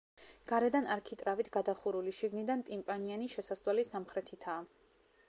გარედან არქიტრავით გადახურული, შიგნიდან ტიმპანიანი შესასვლელი სამხრეთითაა.